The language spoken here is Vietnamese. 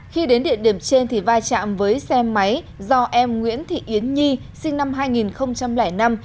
khi đến địa điểm trên thì vai trạm với xe máy do em nguyễn thị yến nhi sinh năm hai nghìn năm